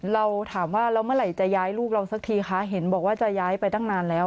เราถามว่าแล้วเมื่อไหร่จะย้ายลูกเราสักทีคะเห็นบอกว่าจะย้ายไปตั้งนานแล้ว